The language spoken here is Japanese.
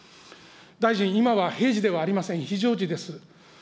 大臣、今は平時ではありません、非常時です。